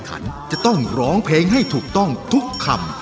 ขันจะต้องร้องเพลงให้ถูกต้องทุกคำ